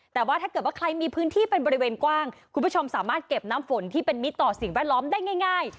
แต่ว่าถ้าเกิดว่าใครมีพื้นที่เป็นบริเวณกว้างคุณผู้ชมสามารถเก็บน้ำฝนที่เป็นมิตรต่อสิ่งแวดล้อมได้ง่าย